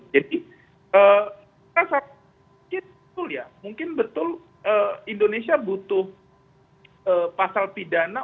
jadi mungkin betul indonesia butuh pasal pidana